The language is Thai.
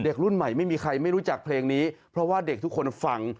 รุ่นใหม่ไม่มีใครไม่รู้จักเพลงนี้เพราะว่าเด็กทุกคนฟัง